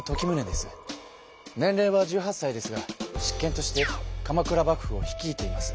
年れいは１８さいですが執権として鎌倉幕府を率いています。